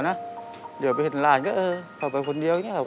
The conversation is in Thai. อเรนนี่ต้องมีวัคซีนตัวหนึ่งเพื่อที่จะช่วยดูแลพวกม้ามและก็ระบบในร่างกาย